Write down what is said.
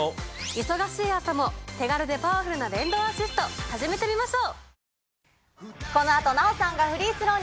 忙しい朝も手軽でパワフルな電動アシスト始めてみましょう。